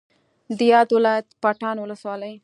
د یاد ولایت پټان ولسوالۍ